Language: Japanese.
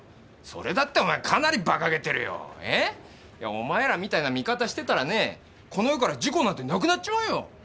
お前らみたいな見方してたらねこの世から事故なんてなくなっちまうよ。